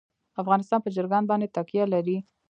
افغانستان په چرګان باندې تکیه لري.